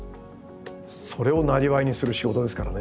それを生業にする仕事ですからね。